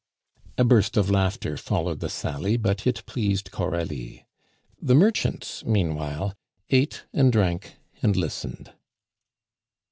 '" A burst of laughter followed the sally, but it pleased Coralie. The merchants meanwhile ate and drank and listened.